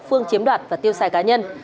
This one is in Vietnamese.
phương chiếm đoạt và tiêu xài cá nhân